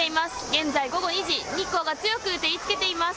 現在午後２時日光が強く照りつけています。